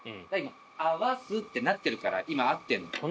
合わすってなってるから、今、合ってるの。